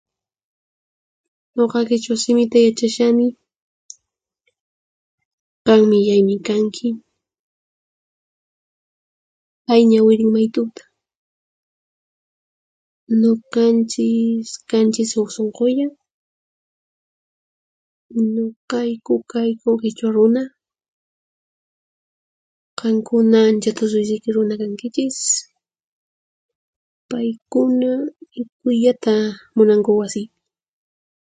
Nuqa qhichwa simita yachashani. Qan millaymi kanki. Pay ñawirin mayt'uta. Nuqanchis kanchis huq sunqulla. Nuqayku kayku qhichwa runa. Qankuna ancha tusuy siki runa kankichis. Paykuna mikhuyllata munanku wasiypi.